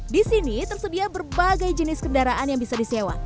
disini tersedia berbagai jenis kendaraan yang bisa disewa